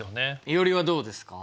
いおりはどうですか？